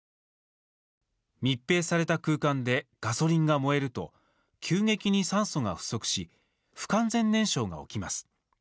密閉された空間でガソリンが燃えると急激に酸素が不足し不完全燃焼が起きます。